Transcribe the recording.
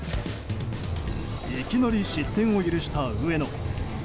いきなり失点を許した上野。